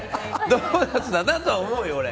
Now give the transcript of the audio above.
ドーナツだなとは思うよ、俺。